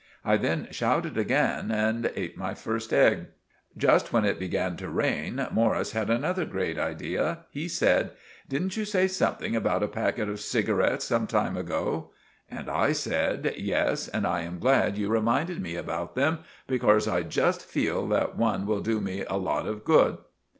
I then shouted again and eat my first egg. Just when it began to rain Morris had another grate idea. He said— "Didn't you say something about a packet of cigarets some time ago?" And I said— "Yes, and I am glad you reminded me about them, becorse I just feal that one will do me a lot of good."